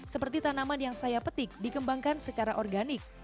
seperti tanaman yang saya petik dikembangkan secara organik